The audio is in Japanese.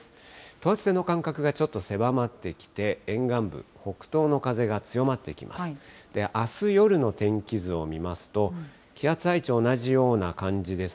等圧線の間隔がちょっと狭まってきて、沿岸部、北東の風が強まってきます。